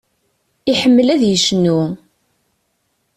Iḥemmel ad yecnu.